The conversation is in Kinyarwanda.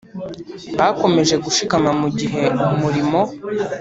Bakomeje gushikama mu gihe umurimo